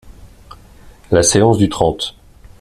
La séance du trente.